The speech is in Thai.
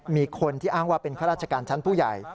มีคนที่อ้างว่าเป็นข้าราชการชั้นผู้ใหญ่